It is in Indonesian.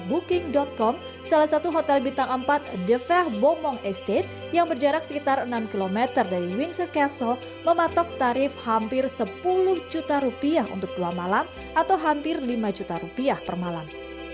booking com salah satu hotel bintang empat the fair bom mong estate yang berjarak sekitar enam km dari windsor castle mematok tarif hampir sepuluh juta rupiah untuk dua malam atau hampir lima juta rupiah per malam